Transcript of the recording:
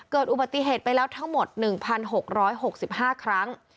เกิดอุบัติเหตุไปแล้วทั้งหมด๑๖๖๕ครั้ง